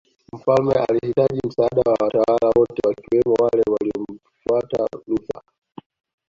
Mfalme alihitaji msaada wa watawala wote wakiwemo wale waliomfuata Luther